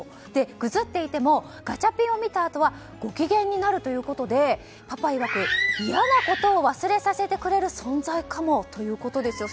ぐずっていてもガチャピンを見たあとはご機嫌になるということでパパいわく、いやなことを忘れさせてくれる存在かもということですよ。